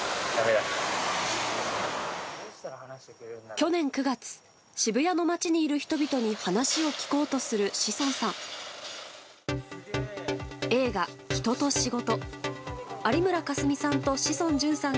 去年９月渋谷の街にいる人々に話を聞こうとする志尊さん。